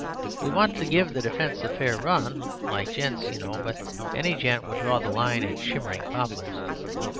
"We want to give the defence a fair run—like gents, you know; but any gent would draw the line at shimmering poplars."